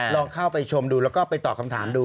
ลองเข้าไปชมดูแล้วก็ไปตอบคำถามดู